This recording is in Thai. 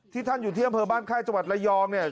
ที่ท่านอยู่เที่ยงบ้านไข้จังหวัดระยองเนี่ย